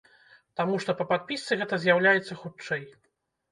Таму што па падпісцы гэта з'яўляецца хутчэй.